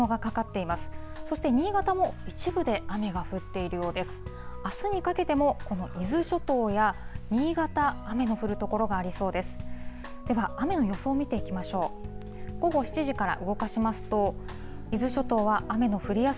あすにかけても、この伊豆諸島や新潟、雨の降る所がありそうです。